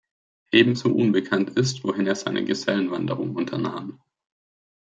Ebenso unbekannt ist, wohin er seine Gesellenwanderung unternahm.